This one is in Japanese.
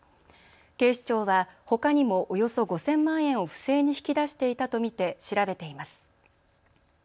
警視庁は、ほかにもおよそ５０００万円を不正に引き出していたと見て調べています。